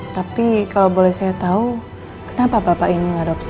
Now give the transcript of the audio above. tapi kalau boleh saya tahu kenapa bapak ingin mengadopsi